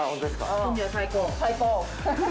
最高！